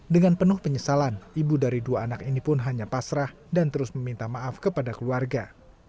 dengan penuh penyesalan ibu dari dua anak ini pun hanya pasrah dan terus meminta maaf kepada keluarga